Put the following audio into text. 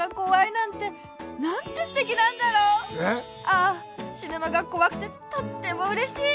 ああしぬのがこわくてとってもうれしい！